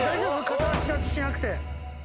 片足立ちしなくて。